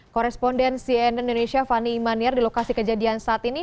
korespondensi nn indonesia fani imaniar di lokasi kejadian saat ini